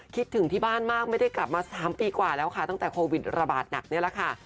คิดถึงที่บ้านมากไม่ได้กลับมา๓ปีกว่าแล้วค่ะตั้งแต่โควิดระบาดหนักนี่แหละค่ะ